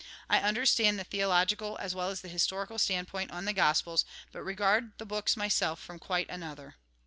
I understand the theological as well as the historical standpoint on the Gospels, but regard the books myself from quite another.